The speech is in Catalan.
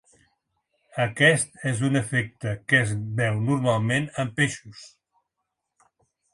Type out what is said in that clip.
Aquest és un efecte que es veu normalment en peixos.